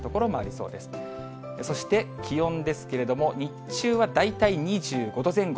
そして気温ですけれども、日中は大体２５度前後。